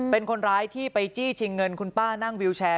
เป็นคนร้ายที่ไปจี้ชิงเงินคุณป้านั่งวิวแชร์